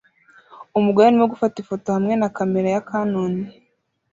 Umugore arimo gufata ifoto hamwe na kamera ya kanon